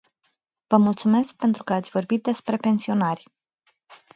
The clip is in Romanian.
Vă mulțumesc pentru că ați vorbit despre pensionari.